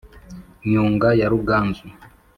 nyunga ya ruganzu